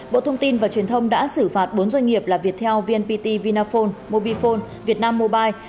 bộ thông tin và truyền thông đã xử phạt bốn doanh nghiệp là viettel vnpt vinaphone mobifone vietnam mobile